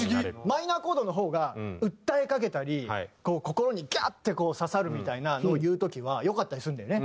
マイナーコードの方が訴えかけたりこう心にガッて刺さるみたいなのをいう時は良かったりするんだよね。